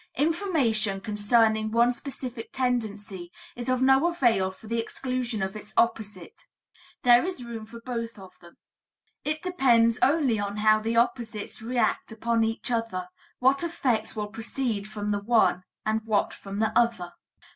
Information concerning one specific tendency is of no avail for the exclusion of its opposite; there is room for both of them. It depends only on how the opposites react upon each other, what effects will proceed from the one and what from the other.